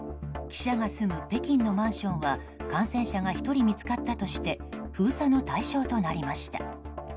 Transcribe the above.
記者が住む北京のマンションは感染者が１人見つかったとして封鎖の対象となりました。